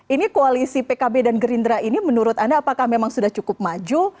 ini koalisi pkb dan gerindra ini menurut anda apakah memang sudah cukup maju